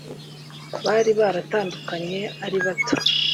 bari baretandukanye ari bato